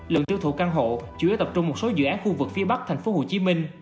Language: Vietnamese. lượng tiêu thụ căn hộ chủ yếu tập trung một số dự án khu vực phía bắc tp hcm